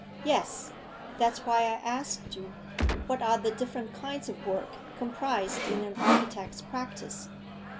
'Yes! that's why I asked you. What are the different kinds of work comprised in an architect's practice?